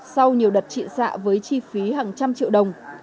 sau nhiều đợt trị xạ với chi phí hàng trăm triệu đồng